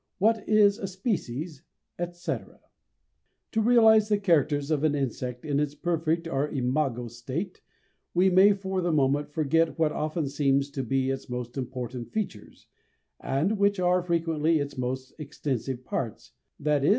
"What is a species?" etc. To realize the characters of an insect in its perfect or "imago" state, we may for the moment forget what often seems to be its most important features, and which are frequently its most extensive parts, viz.